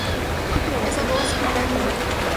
Es voz arábiga y ya sin uso.